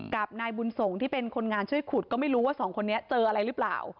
กับนายบุญสงฆ์ที่เป็นคนงานช่วยขุดก็ไม่รู้ว่าสองคนนี้เจออะไรหรือเปล่า